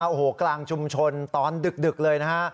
โอ้โหกลางชุมชนตอนดึกเลยนะฮะ